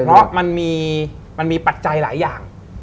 เพราะมันมีปัจจัยหลายอย่าง